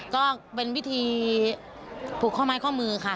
ก็เป็นวิธีผูกข้อไม้ข้อมือค่ะ